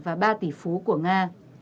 hãy đăng ký kênh để ủng hộ kênh của mình nhé